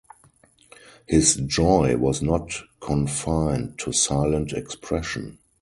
His joy was not confined to silent expression.